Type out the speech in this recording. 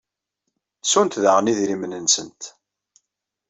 Ttunt daɣen idrimen-nsent.